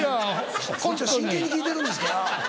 こっちは真剣に聞いてるんですから。